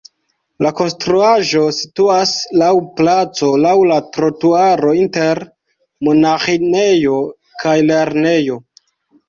La konstruaĵo situas laŭ placo laŭ la trotuaro inter monaĥinejo kaj lernejo.